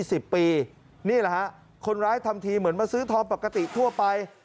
สิบปีนี่แหละฮะคนร้ายทำทีเหมือนมาซื้อทองปกติทั่วไป